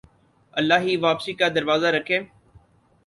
اللہ ہی واپسی کا دروازہ رکھے